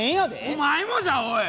お前もじゃおい！